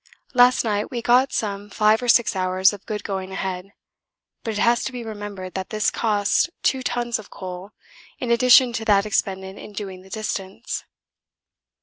Last night we got some five or six hours of good going ahead but it has to be remembered that this costs 2 tons of coal in addition to that expended in doing the distance.